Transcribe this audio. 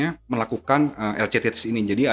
jadi ada beberapa bank yang ditunjukkan